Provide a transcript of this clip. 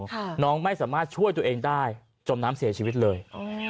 น้องไม่สามารถช่วยตัวเองได้จมน้ำเสียชีวิตเลยอ๋อ